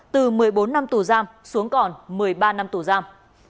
từ một mươi bốn năm tù giam xuống còn một mươi ba năm tù giam